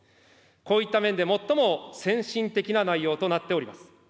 こういった面で最も先進的な内容となっております。